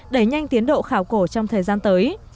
đẩy nhanh tiến độ khảo cổ trong thời gian tới